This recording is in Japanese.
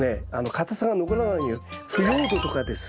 かたさが残らないように腐葉土とかですね